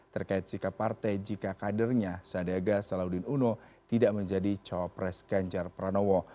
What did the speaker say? terkait sikap partai jika kadernya sadega salahuddin uno tidak menjadi cowok pres genjar pranowo